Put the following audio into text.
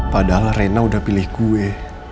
padahal reina udah pilih gue